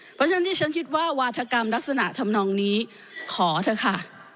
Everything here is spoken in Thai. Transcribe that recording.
เพราะฉะนั้นที่ฉันคิดว่าวาธกรรมลักษณะทำนองนี้ขอเถอะค่ะ